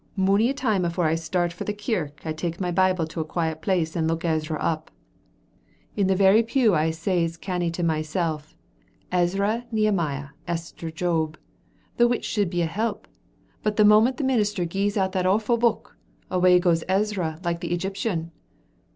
Mony a time afore I start for the kirk I take my Bible to a quiet place and look Ezra up. In the very pew I says canny to mysel', 'Ezra, Nehemiah, Esther, Job,' the which should be a help, but the moment the minister gi'es out that awfu' book, away goes Ezra like the Egyptian."